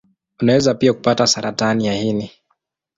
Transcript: Unaweza pia kupata saratani ya ini.